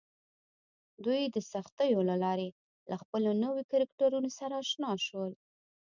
دوی د سختیو له لارې له خپلو نویو کرکټرونو سره اشنا شول